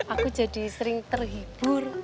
aku jadi sering terhibur